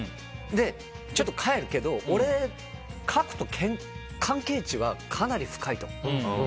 ちょっと帰るけど俺、賀来との関係値はかなり深いと。